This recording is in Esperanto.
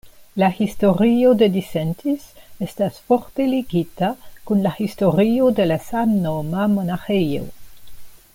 La historio de Disentis estas forte ligita kun la historio de la samnoma monaĥejo.